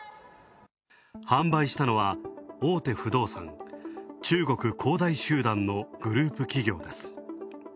販売したのは大手不動産、中国恒大集団のグループ企業です。